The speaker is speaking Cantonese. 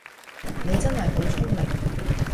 你真係好聰明